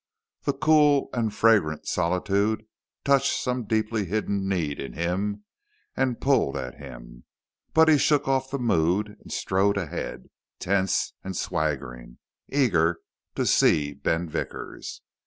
The cool and fragrant solitude touched some deeply hidden need in him and pulled at him, but he shook off the mood and strode ahead, tense and swaggering, eager to see Ben Vickers.